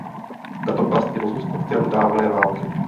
Tato past je pozůstatkem dávné války.